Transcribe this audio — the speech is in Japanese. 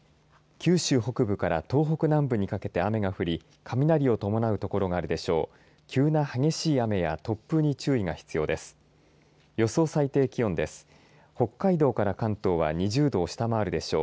九州北部から東北南部にかけて雨が降り雷を伴う所があるでしょう。